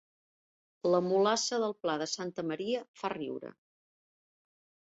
La mulassa del Pla de Santa Maria fa riure